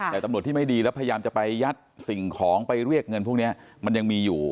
แต่ตำรวจที่ไม่ดีแล้วพยายามจะไปยัดสิ่งของไปเรียกเงินพวกนี้มันยังมีอยู่